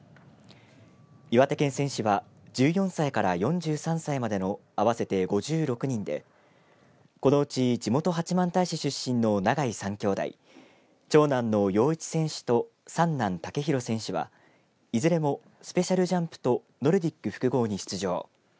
岩手県選手は１４歳から４３歳までの合わせて５６人でこのうち地元八幡平市出身の永井３兄弟長男の陽一選手と三男、健弘選手はいずれもスペシャルジャンプとノルディック複合に出場。